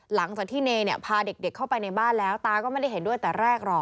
หลังจากที่เนยเนี่ยพาเด็กเข้าไปในบ้านแล้วตาก็ไม่ได้เห็นด้วยแต่แรกหรอก